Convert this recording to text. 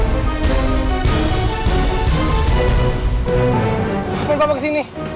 kenapa bapak kesini